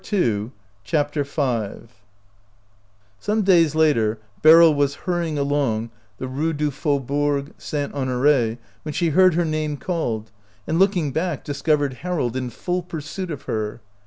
80 CHAPTER V SOME days later Beryl was hurrying along the Rue du Faubourg St. Hon ore, when she heard her name called, and, looking back, discovered Harold in full pur suit of her.